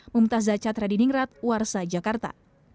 mumtaz zacat radiningrat warsa jakarta